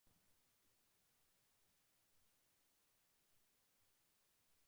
Participó en la película colombiana "Encerrada".